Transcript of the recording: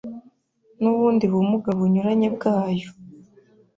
n’ubundi bumuga bunyuranye bwayo